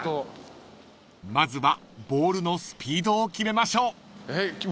［まずはボールのスピードを決めましょう］